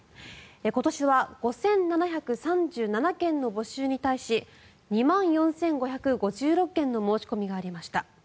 今年は５７３７件の募集に対し２万４５５６件の申し込みがありました。